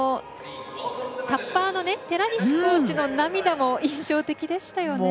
タッパーの寺西コーチの涙も印象的でしたよね。